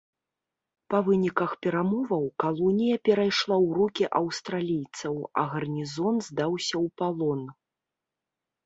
Па выніках перамоваў калонія перайшла ў рукі аўстралійцаў, а гарнізон здаўся ў палон.